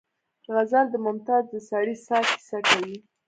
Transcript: غزل د ممتاز د ستړې ساه کیسه کوي